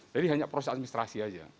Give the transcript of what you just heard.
jadi hanya proses administrasi aja